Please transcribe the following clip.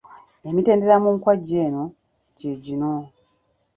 Emitendera mu nkwajja eno gye gino.